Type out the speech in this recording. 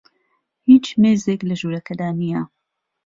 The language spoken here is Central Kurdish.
هیچ مێزێک لە ژوورەکەدا نییە.